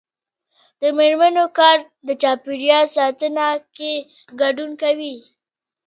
د میرمنو کار د چاپیریال ساتنه کې ګډون کوي.